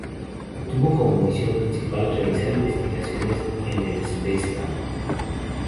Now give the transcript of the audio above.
Tuvo como misión principal realizar investigaciones en el Spacelab.